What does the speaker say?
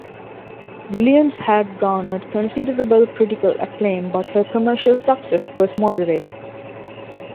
Williams had garnered considerable critical acclaim, but her commercial success was moderate.